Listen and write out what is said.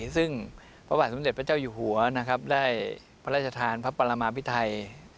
ซึ่งพระบาทสุริยศพระเจ้าอยู่หัวได้พระราชทานพระปันลมพิธัย